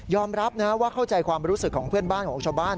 รับนะว่าเข้าใจความรู้สึกของเพื่อนบ้านของชาวบ้าน